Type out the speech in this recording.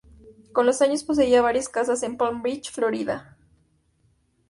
Con los años, poseía varias casas en Palm Beach, Florida.